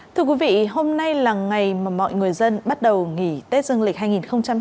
thưa quý vị hôm nay là ngày mà mọi người dân bắt đầu nghỉ tết dương lịch hai nghìn hai mươi bốn